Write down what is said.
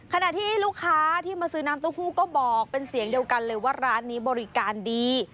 ขณะที่ลูกค้าที่มาซื้อน้ำเต้าหู้ก็บอกเป็นเสียงเดียวกันเลยว่าร้านนี้บริการดี